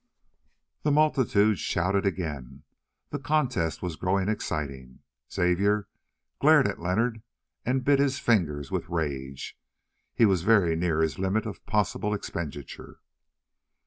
The multitude shouted again, the contest was growing exciting. Xavier glared at Leonard and bit his fingers with rage. He was very near his limit of possible expenditure.